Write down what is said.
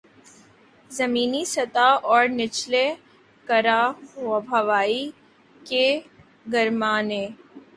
زمینی سطح اور نچلے کرۂ ہوائی کے گرمانے